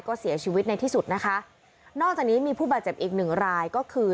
ก็เสียชีวิตในที่สุดนะคะนอกจากนี้มีผู้บาดเจ็บอีกหนึ่งรายก็คือ